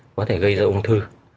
có thể gây ra ung thư